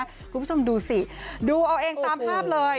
คุณผู้ชมดูสิดูเอาเองตามภาพเลย